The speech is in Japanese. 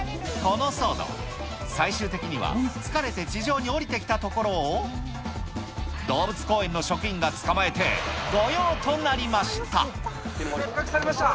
この騒動、最終的には疲れて地上に下りてきたところを動物公園の職員が捕ま捕獲されました。